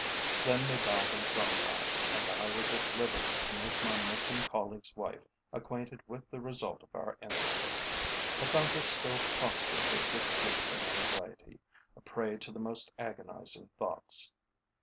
Then they bowed themselves out, and I was at liberty to make my missing colleague's wife acquainted with the result of our interview. I found her still prostrated with grief and anxiety, a prey to the most agonising thoughts.